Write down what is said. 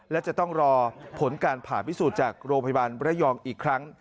และจะต้องรอผลการผ่าพิสูจน์จากโรงพยาบาลระยองอีกครั้ง